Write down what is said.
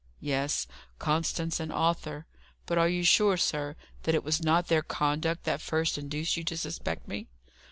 "Yes; Constance and Arthur. But are you sure, sir, that it was not their conduct that first induced you to suspect me?"